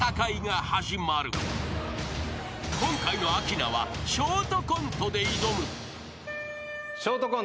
［今回のアキナはショートコントで挑む］